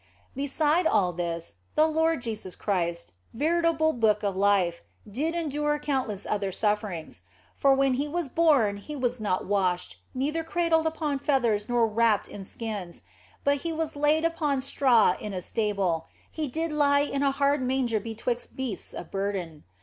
Beside all this, the Lord Jesus Christ, veritable Book of Life, did endure countless other sufferings. For when He was born He was not washed, neither cradled upon feathers not wrapped in skins ; but He was laid upon straw in a stable, He did lie in a hard manger be twixt beasts of burden.